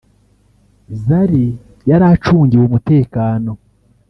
Zari yari acungiwe umutekano